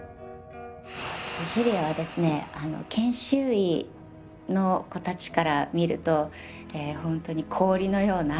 ジュリアはですね研修医の子たちから見るとほんとに氷のような。